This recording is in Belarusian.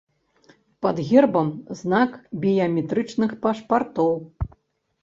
Пад гербам знак біяметрычных пашпартоў.